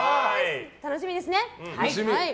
楽しみですね。